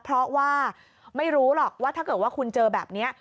เพราะว่าไม่รู้หรอกว่าถ้าเกิดว่าคุณเจอแบบนี้